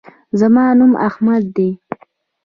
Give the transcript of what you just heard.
زما نوم احمد دی